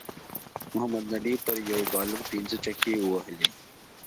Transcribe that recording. محمد نبی پر یو بالر پنځه چکی ووهلی